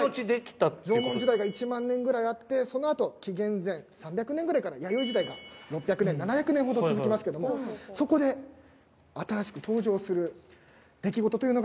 縄文時代が１万年ぐらいあってその後紀元前３００年ぐらいから弥生時代が６００年７００年ほど続きますけどもそこで新しく登場する出来事というのが。